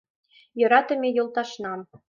Йӧратыме йолташнам.